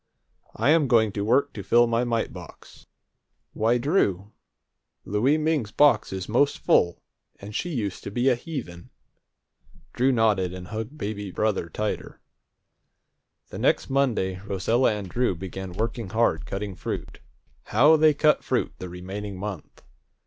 I'm going to work to fill my mite box. Why, Drew, Louie Ming's box is most full, and she used to be a heathen!" Drew nodded, and hugged baby brother tighter. The next Monday Rosella and Drew began working hard cutting fruit. How they cut fruit the remaining month!